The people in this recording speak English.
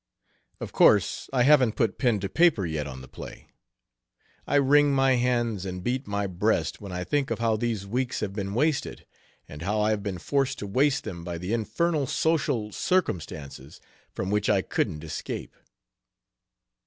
Of course, I haven't put pen to paper yet on the play. I wring my hands and beat my breast when I think of how these weeks have been wasted; and how I have been forced to waste them by the infernal social circumstances from which I couldn't escape."